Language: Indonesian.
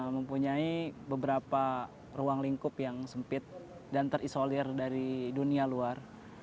mempunyai beberapa ruang lingkup yang sempit dan terisolir dari dunia luar